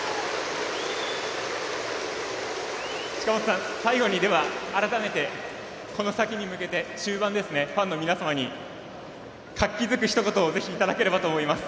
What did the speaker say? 近本さん、最後に改めてこの先に向けて終盤ファンの皆様に活気づくひと言をぜひ、いただければと思います。